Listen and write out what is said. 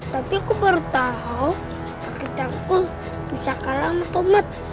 tapi aku baru tahu kakek cangkul bisa kalah sama tomat